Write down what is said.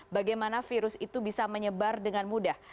bagaimana virus itu bisa menyebar dengan mudah